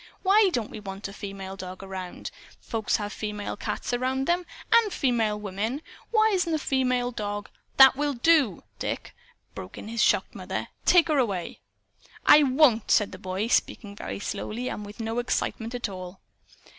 "WHY don't we want a female dog around? Folks have female cats around them, and female women. Why isn't a female dog " "That will do, Dick!" broke in his shocked mother. "Take her away." "I won't," said the boy, speaking very slowly, and with no excitement at all.